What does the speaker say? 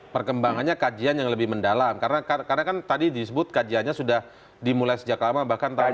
perkembangannya kajian yang lebih mendalam karena kan tadi disebut kajiannya sudah dimulai sejak lama bahkan tahun